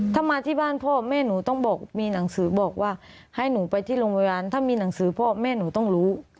ถ้ามาที่บ้านพ่อแม่หนูต้องบอกมีหนังสือบอกว่าให้หนูไปที่โรงพยาบาลถ้ามีหนังสือพ่อแม่หนูต้องรู้